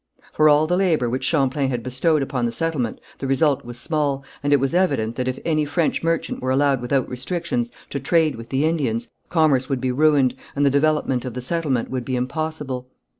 For all the labour which Champlain had bestowed upon the settlement the result was small, and it was evident that if any French merchant were allowed without restrictions to trade with the Indians, commerce would be ruined, and the development of the settlement would be impossible.